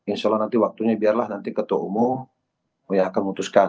insya allah nanti waktunya biarlah nanti ketua umum yang akan memutuskan